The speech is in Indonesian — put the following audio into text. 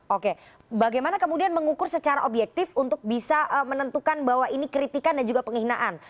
oke bagaimana kemudian mengukur secara objektif untuk bisa menentukan bahwa ini kritikan dan juga penghinaan